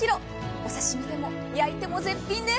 お刺身でも焼いても絶品です。